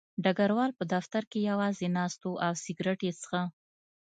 ډګروال په دفتر کې یوازې ناست و او سګرټ یې څښه